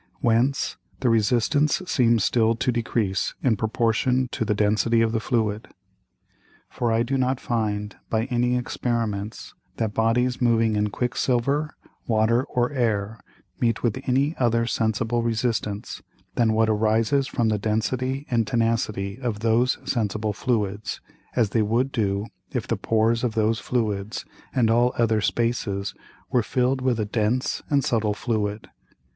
Whence the Resistance seems still to decrease in proportion to the Density of the Fluid. For I do not find by any Experiments, that Bodies moving in Quick silver, Water or Air, meet with any other sensible Resistance than what arises from the Density and Tenacity of those sensible Fluids, as they would do if the Pores of those Fluids, and all other Spaces, were filled with a dense and subtile Fluid.